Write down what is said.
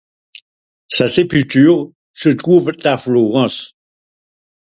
Sa sépulture se trouve à Florence.